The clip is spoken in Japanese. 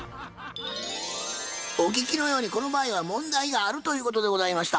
お聞きのようにこの場合は問題があるということでございました。